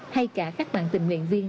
hay cả các bạn tình nguyện viên